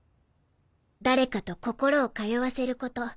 誰かと心を通わせること。